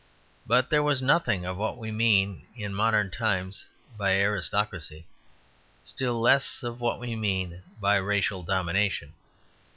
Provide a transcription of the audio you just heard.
But there was nothing of what we mean in modern times by aristocracy, still less of what we mean by racial domination.